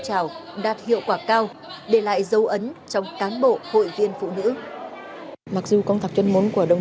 trào đạt hiệu quả cao để lại dấu ấn trong cán bộ hội viên phụ nữ mặc dù công tác tuyên ngôn của đồng